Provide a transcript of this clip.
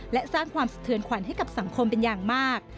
และสร้างความสะเทือนขวัญให้กับสังคมเป็นอย่างมาก